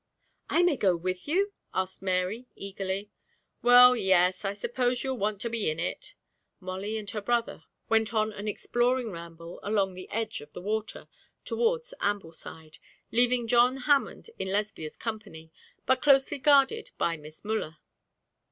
'I may go with you?' asked Mary, eagerly. 'Well, yes, I suppose you'll want to be in it.' Molly and her brother went on an exploring ramble along the edge of the water towards Ambleside, leaving John Hammond in Lesbia's company, but closely guarded by Miss Müller.